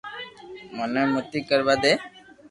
مني متي ڪر وا دي